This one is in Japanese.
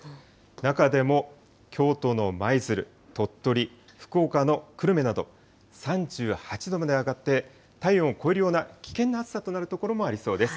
中でも、京都の舞鶴、鳥取、福岡の久留米など、３８度まで上がって、体温を超えるような危険な暑さとなる所もありそうです。